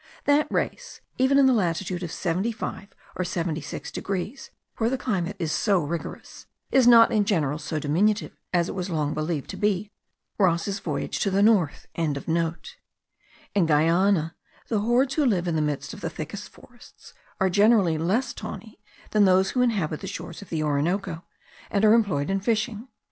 That race (even in the latitude of seventy five and seventy six degrees, where the climate is so rigorous) is not in general so diminutive as it was long believed to be. Ross' Voyage to the North.) In Guiana, the hordes who live in the midst of the thickest forests are generally less tawny than those who inhabit the shores of the Orinoco, and are employed in fishing.